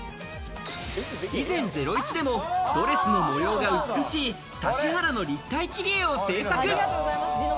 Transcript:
以前『ゼロイチ』でもドレスの模様が美しい指原の立体切り絵を制作。